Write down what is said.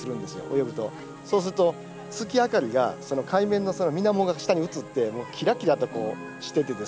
泳ぐとそうすると月明かりがその海面のみなもが下に映ってキラキラとしててですね